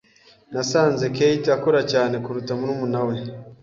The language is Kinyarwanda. Nasanze Kate akora cyane kuruta murumuna we.